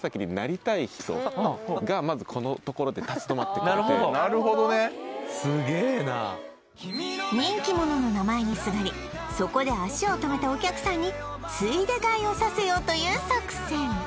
なるほどなるほどね人気者の名前にすがりそこで足を止めたお客さんについで買いをさせようという作戦